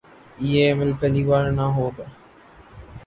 یہ عمل پہلی بار نہ ہو گا۔